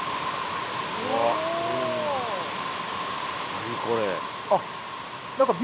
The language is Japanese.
何これ。